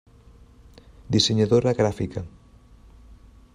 Dissenyadora gràfica.